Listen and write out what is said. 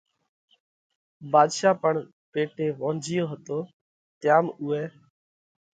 ڀاڌشا پڻ پيٽي وونجھِيو هتو تيام اُوئہ